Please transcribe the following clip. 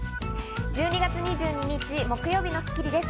１２月２２日、木曜日の『スッキリ』です。